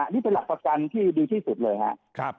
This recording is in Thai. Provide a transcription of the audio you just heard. นี่เป็นหลักประกันที่ดีที่สุดเลยครับ